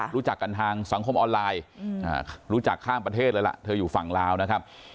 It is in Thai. รู้จักกันทางสังคมออนไลน์รู้จักข้ามประเทศเลยล่ะเธออยู่ฝั่งลาวนะครับ